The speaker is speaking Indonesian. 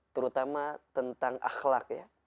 terutama tentang akhlak ya